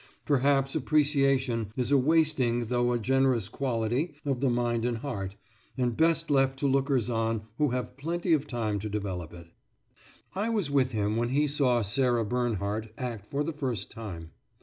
Perhaps appreciation is a wasting though a generous quality of the mind and heart, and best left to lookers on who have plenty of time to develop it. I was with him when he saw Sarah Bernhardt act for the first time.